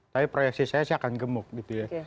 tapi proyeksi saya sih akan gemuk gitu ya